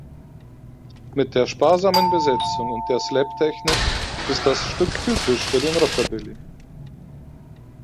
Mit der sparsamen Besetzung und der Slap-Technik ist das Stück typisch für den Rockabilly.